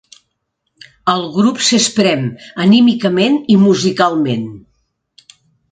El grup s’esprem anímicament i musicalment.